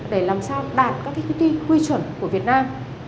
để làm sao đạt các quy trình quy chuẩn của việt nam